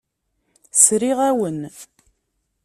Sriɣ-awen.